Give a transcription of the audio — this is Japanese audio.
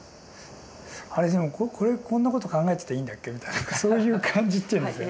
あれでもこれこんなこと考えていいんだっけみたいなそういう感じっていうんですか